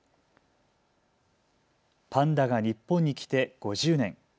パンダが日本に来て５０年。